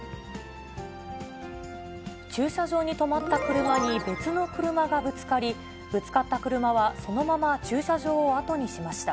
駐車場に止まった車に、別の車がぶつかり、ぶつかった車は、そのまま駐車場を後にしました。